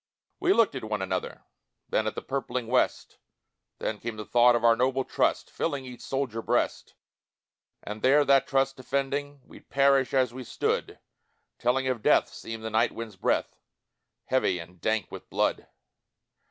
We looked at one another, Then at the purpling west, Then came the thought of our noble trust, Filling each soldier breast; And there, that trust defending, We'd perish as we stood Telling of death seemed the night wind's breath, Heavy and dank with blood.